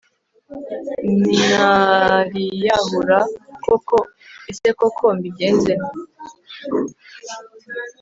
ntariyahura koko ese koko mbigenze nte